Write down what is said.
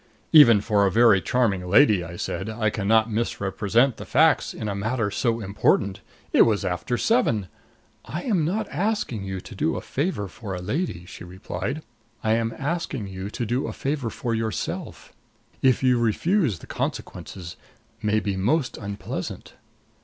'" "Even for a very charming lady," I said "I can not misrepresent the facts in a matter so important. It was after seven " "I am not asking you to do a favor for a lady," she replied. "I am asking you to do a favor for yourself. If you refuse the consequences may be most unpleasant."